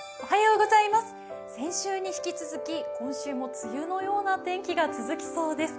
先週に引き続き今週も梅雨のような天気が続きそうです。